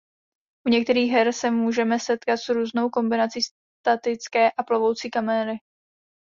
U některých her se můžeme setkat s různou kombinací statické a plovoucí kamery.